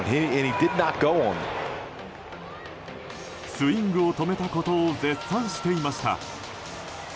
スイングを止めたことを絶賛していました。